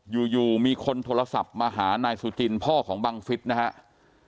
อยู่มีคนโทรศัพท์มาหานายสุจินพ่อของบังฟิศนะครับ